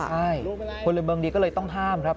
ใช่คนละเบิ้ลนี้ก็เลยต้องห้ามครับ